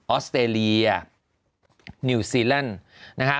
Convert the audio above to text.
อสเตรเลียนิวซีแลนด์นะฮะ